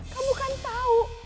kamu kan tahu